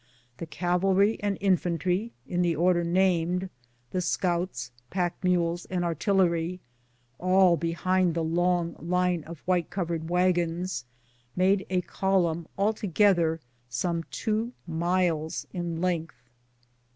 The cavalry and infantry in the order named, the scouts, pack mules, and artillery, and behind all the long line of white cov ered wagons, made a column altogether some two miles in length.